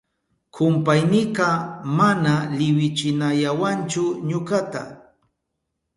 Kumpaynika mana liwichinayawanchu ñukata.